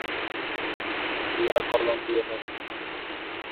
উদাহরণ:নীরা কলম দিয়ে লেখে।